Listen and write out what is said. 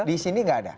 di sini nggak ada